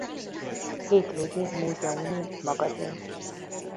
Hétvégi Múzeumi Magazin.